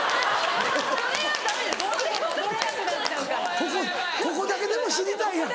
ここここだけでも知りたいやん